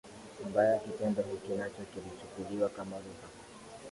mbaya kitendo hiki nacho kilichukuliwa kama lugha